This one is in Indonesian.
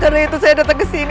karena itu saya datang kesini